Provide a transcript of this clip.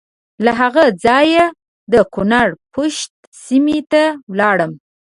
له هغه ځایه د کنړ پَشَت سیمې ته ولاړم.